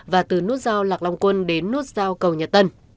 và từ nút giao lạc long quân đến nút giao cầu nhật tân